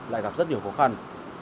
lại gặp rất nhiều khó khăn